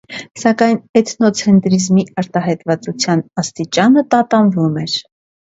Սակայն էթնոցենտրիզմի արտահայտվածության աստիճանը տատանվում էր։